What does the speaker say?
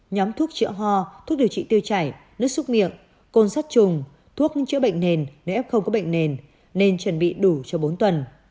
nhóm thuốc chữa ho thuốc điều trị tiêu chảy nước xúc miệng côn sắt trùng thuốc chữa bệnh nền nếu f không có bệnh nền nên chuẩn bị đủ cho bốn tuần